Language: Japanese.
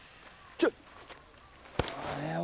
ちょっえ